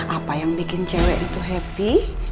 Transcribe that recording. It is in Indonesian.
apa yang bikin cewek itu happy